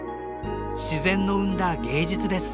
自然の生んだ芸術です。